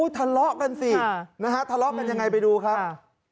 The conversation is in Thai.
ทะเลาะกันสินะฮะทะเลาะกันยังไงไปดูครับ